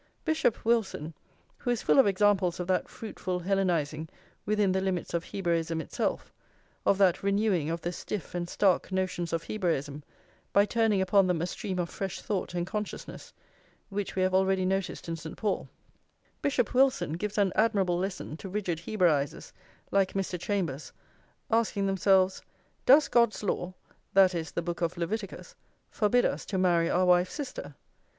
Bishop Wilson, who is full of examples of that fruitful Hellenising within the limits of Hebraism itself, of that renewing of the stiff and stark notions of Hebraism by turning upon them a stream of fresh thought and consciousness, which we have already noticed in St. Paul, Bishop Wilson gives an admirable lesson to rigid Hebraisers, like Mr. Chambers, asking themselves: Does God's law (that is, the Book of Leviticus) forbid us to marry our wife's sister?